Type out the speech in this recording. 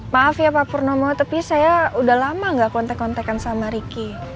maaf ya pak purnomo tapi saya udah lama gak kontak kontakan sama riki